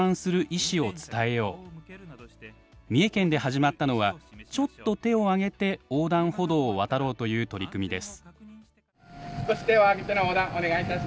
三重県で始まったのはちょっと手を上げて横断歩道を渡ろうという取り組みです。